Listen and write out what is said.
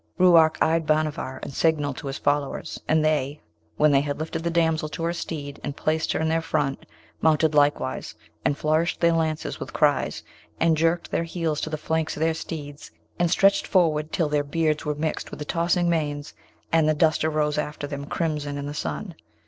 Ruark eyed Bhanavar, and signalled to his followers, and they, when they had lifted the damsel to her steed and placed her in their front, mounted likewise, and flourished their lances with cries, and jerked their heels to the flanks of their steeds, and stretched forward till their beards were mixed with the tossing manes, and the dust rose after them crimson in the sun.